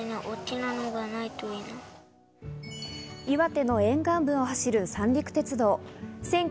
岩手の沿岸部を走る三陸鉄道。